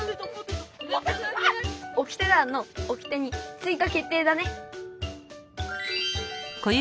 オキテ団のオキテについかけっていだね！